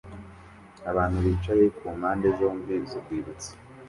Abantu bicaye kumpande zombi z'urwibutso